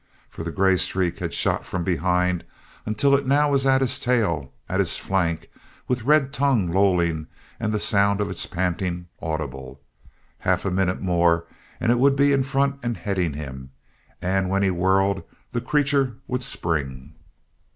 For the grey streak had shot from behind until it now was at his tail, at his flank, with red tongue lolling and the sound of its panting audible. Half a minute more and it would be in front and heading him, and when he whirled the creature would spring.